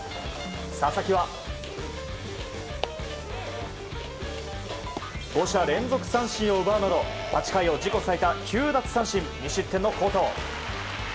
佐々木は５者連続三振を奪うなど８回を自己最多９奪三振２失点の好投。